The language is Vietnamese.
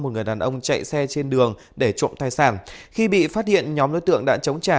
một người đàn ông chạy xe trên đường để trộm thai sản khi bị phát hiện nhóm đối tượng đã chống trả